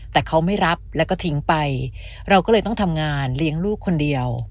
แต่เขาไม่รับแล้วก็ทิ้งไปเราก็เลยต้องทำงานเลี้ยงลูกคนเดียว